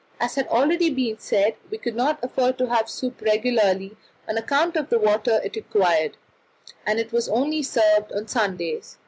As has already been said, we could not afford to have soup regularly on account of the water it required, and it was only served on Sundays.